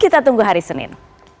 kita tunggu hari senin